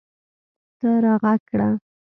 ته راږغ کړه !